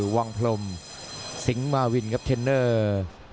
วังพรมสิงห์มาวินครับเทรนเนอร์